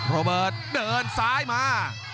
โรเบิร์ตเดินซ้ายมา